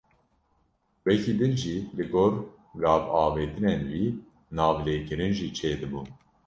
Wekî din jî, li gor gavavêtinên wî navlêkirin jî çêdibûn.